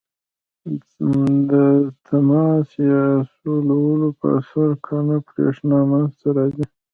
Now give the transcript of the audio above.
د تماس یا سولولو په اثر ساکنه برېښنا منځ ته راځي.